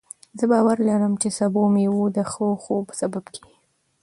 زه باور لرم چې سبو او مېوې د ښه خوب سبب کېږي.